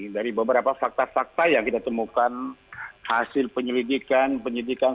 dari beberapa fakta fakta yang kita temukan hasil penyelidikan penyidikan